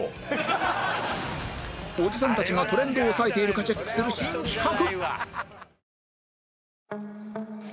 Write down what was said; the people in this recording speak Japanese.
おじさんたちがトレンドを押さえているかチェックする新企画！